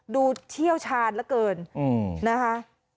เชี่ยวชาญเหลือเกินนะคะ